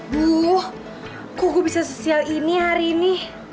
buuh kok gue bisa sosial ini hari ini